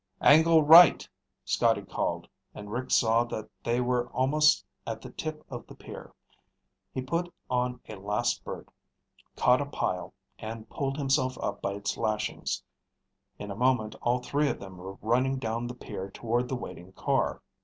"Angle right," Scotty called, and Rick saw that they were almost at the tip of the pier. He put on a last spurt, caught a pile, and pulled himself up by its lashings. In a moment all three of them were running down the pier toward the waiting car.